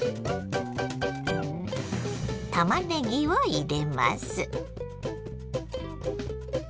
たまねぎを入れます。